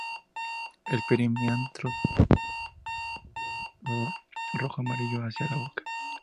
El perianto de color rosado-rojo, amarillo hacia la boca.